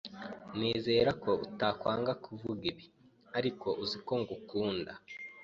Nizere ko utakwanga kuvuga ibi, ariko uzi ko ngukunda.